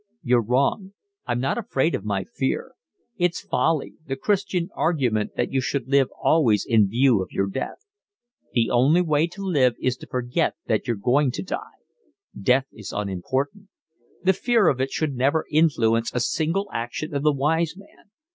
You're wrong. I'm not afraid of my fear. It's folly, the Christian argument that you should live always in view of your death. The only way to live is to forget that you're going to die. Death is unimportant. The fear of it should never influence a single action of the wise man.